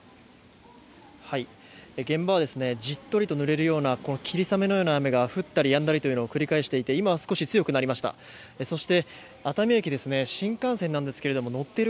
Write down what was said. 現場はじっとりとぬれるような霧雨のような雨が降ったりやんだりというのを繰り返していて今は少し強くなりました。